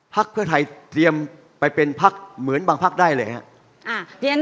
พรรคเพื่อไทยเตรียมไปเป็นพรรคเหมือนบางพรรคได้เลย